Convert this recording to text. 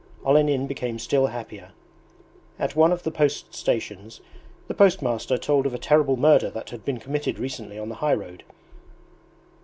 Olenin became still happier. At one of the post stations the post master told of a terrible murder that had been committed recently on the high road.